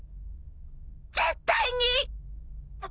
絶対に！